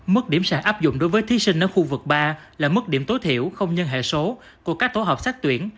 mức điểm sàn áp dụng đối với thí sinh ở khu vực ba là mức điểm tối thiểu không nhân hệ số của các tổ hợp xét tuyển